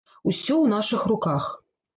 Усё ў нашых руках!